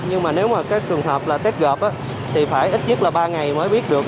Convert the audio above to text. nhưng mà nếu mà các trường hợp là tích gợp thì phải ít nhất là ba ngày mới biết được